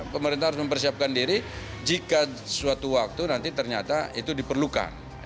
pemerintah harus mempersiapkan diri jika suatu waktu nanti ternyata itu diperlukan